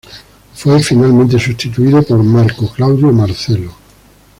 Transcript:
Fue finalmente sustituido por Marco Claudio Marcelo.